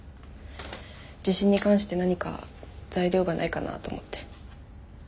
地震に関して何か材料がないかなと思って。